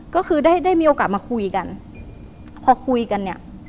ก็คือได้ได้มีโอกาสมาคุยกันพอคุยกันเนี่ย